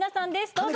どうぞ。